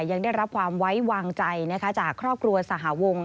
ยังได้รับความไว้วางใจจากครอบครัวสหวง